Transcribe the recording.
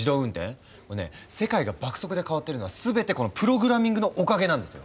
もうね世界が爆速で変わってるのは全てこのプログラミングのおかげなんですよ。